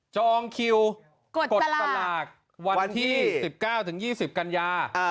จองคิวกดสลากวันที่๑๙๒๐กันยา